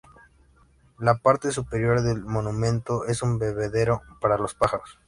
La parte superior del monumento es un bebedero para los pájaros.